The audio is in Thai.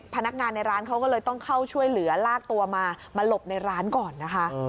พนักงานในร้านเขาก็เลยต้องเข้าช่วยเหลือลากตัวมามาหลบในร้านก่อนนะคะ